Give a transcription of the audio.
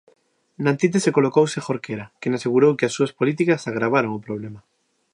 Na antítese colocouse Jorquera, quen asegurou que as súas políticas agravaron o problema.